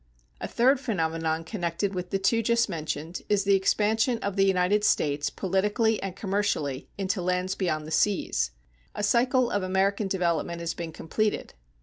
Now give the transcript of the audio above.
A third phenomenon connected with the two just mentioned is the expansion of the United States politically and commercially into lands beyond the seas. A cycle of American development has been completed.